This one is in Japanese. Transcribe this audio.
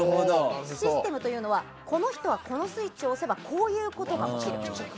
システムというのはこの人はこのスイッチを押せばこういうことが起きる。